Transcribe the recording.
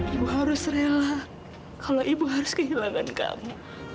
ibu harus rela kalau ibu harus kehilangan kamu